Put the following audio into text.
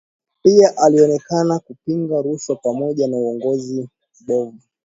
Pia alionekana kupinga rushwa pamoja na uongozi mbovu